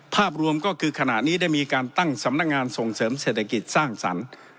ภาพรวมก็คือขณะนี้ได้มีการตั้งสำนักงานส่งเสริมเศรษฐกิจสร้างสรรค์